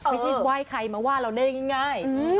ไม่ใช่ไหว้ใครมาว่าเราได้ง่าย